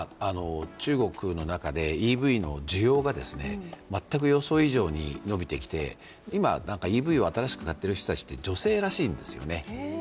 中国の中でＥＶの需要が全く予想以上に伸びてきて、今、ＥＶを新しく買ってる人たちって女性らしいんですよね。